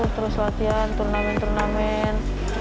dua ribu satu terus latihan turnamen turnamen